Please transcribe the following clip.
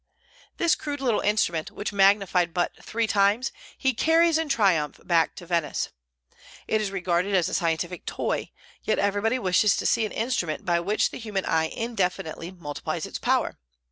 This crude little instrument, which magnified but three times, he carries in triumph back to Venice. It is regarded as a scientific toy, yet everybody wishes to see an instrument by which the human eye indefinitely multiplies its power.